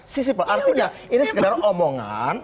sisible artinya ini sekedar omongan